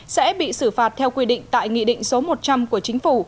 sẽ bị xử phạt theo quy định tại nghị định số một trăm linh của chính phủ